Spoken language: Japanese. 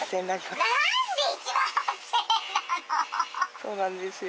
そうなんですよ。